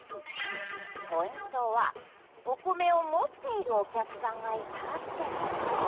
ポイントはお米を持っているお客さんがいたってこと。